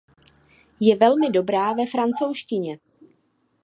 Je velmi dobrá ve francouzštině.